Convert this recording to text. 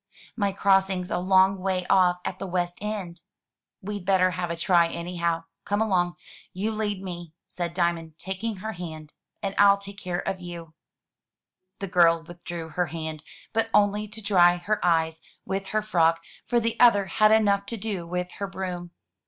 "My crossing's a long way off at the West End." "We'd better have a try anyhow. Come along. You lead me," said Diamond, taking her hand, "and I'll take care of you." 433 MY BOOK HOUSE The girl withdrew her hand, but only to dry her eyes with her frock, for the other had enough to do with her broom.